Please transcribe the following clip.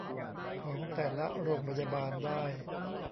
ของแต่ละโรงพยาบาลได้